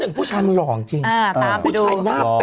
เพราะ๑ผู้ชายมันหล่องจริงเล่าน่าเป๊ะ